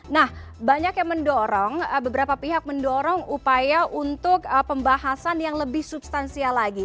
nah banyak yang mendorong beberapa pihak mendorong upaya untuk pembahasan yang lebih substansial lagi